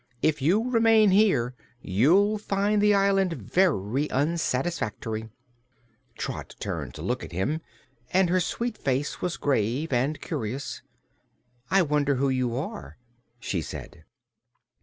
If you remain here you'll find the island very unsatisfactory." Trot turned to look at him, and her sweet face was grave and curious. "I wonder who you are," she said.